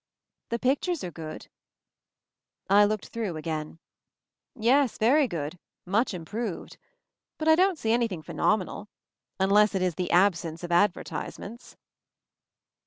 "The pictures are good." I looked it through again. "Yes, very good, much improved. But I don't see anything phenomenal — unless it is the absence of advertisements."